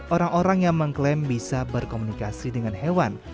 orang orang yang mengklaim bisa berkomunikasi dengan hewan